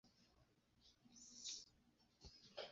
Una multitud mira com una dona dibuixa caricatures.